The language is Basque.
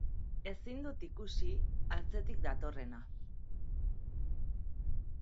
Ezin dut ikusi atzetik datorrena.